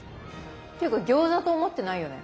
っていうか餃子と思ってないよね。